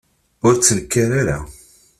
Ur ttnekkar ara.